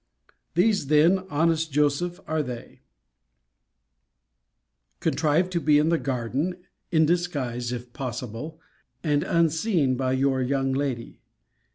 These, then, honest Joseph, are they: Contrive to be in the garden, in disguise, if possible, and unseen by your young lady.